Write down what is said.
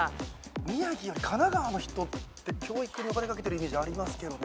宮城より神奈川の人って教育にお金かけてるイメージありますけどね。